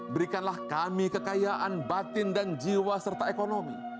berikanlah kami kekayaan batin dan jiwa serta ekonomi